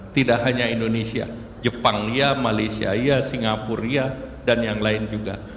tidak hanya indonesia jepang iya malaysia iya singapura iya dan yang lain juga